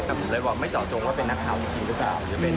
ก็เลยไม่เจาะจงว่าเป็นนักข่าวมีคิดหรือเปล่า